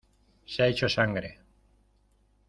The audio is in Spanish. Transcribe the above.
se ha hecho sangre.